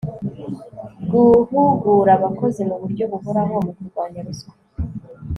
gguhugura abakozi mu buryo buhoraho mu kurwanya ruswa